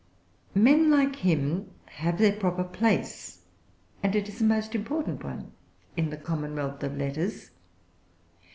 Men like him have their proper place, and it is a most important one, in the Commonwealth of Letters.